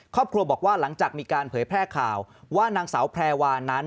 ครอบครัวบอกว่าหลังจากมีการเผยแพร่ข่าว